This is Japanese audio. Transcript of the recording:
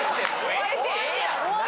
終わりでええやん